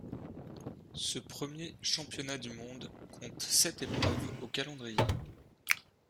Ce premier championnat du monde compte sept épreuves au calendrier.